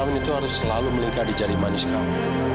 cincin kamu itu harus selalu melingkar di jari manis kamu